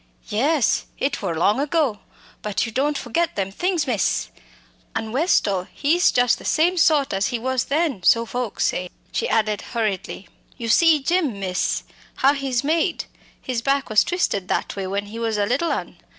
"Yes, it wor long ago, but you don't forget them things, miss! An' Westall, he's just the same sort as he was then, so folks say," she added hurriedly. "You see Jim, miss, how he's made? His back was twisted that way when he was a little un.